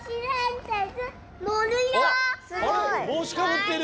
あれぼうしかぶってる。